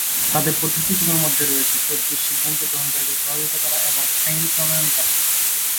তাদের পদ্ধতিগুলির মধ্যে রয়েছে তদবির, সিদ্ধান্ত গ্রহণকারীদের প্রভাবিত করা এবং আইন প্রণয়ন করা।